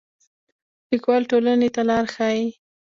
لیکوال ټولنې ته لار ښيي